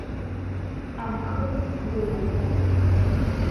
Амхы сзылоуп.